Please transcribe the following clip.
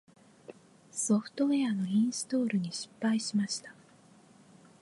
ソフトウェアのインストールに失敗しました。